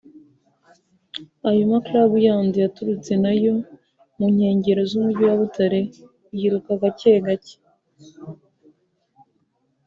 ayo maclub yandi yaturutse na yo mu nkengero z’umugi wa Butare yiruka gake gake